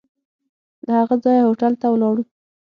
له هغه ځایه هوټل ته ولاړو.